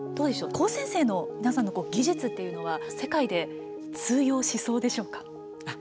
高専生の皆さんの技術というのは世界で通用しそうでしょうか。